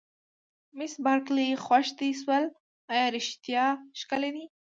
مس بارکلي: خوښ دې شول، ایا رښتیا ښکلي دي؟